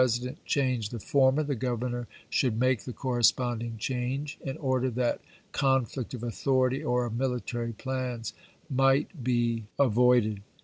dent changed the former, the Governor should make the corresponding change, in order that conflict of authority or of military plans might be Lincoln, EudoFBe ment, HALLECK 97 avoided.